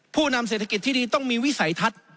ผู้นำเศรษฐกิจที่ดีต้องมีวิสัยทัศน์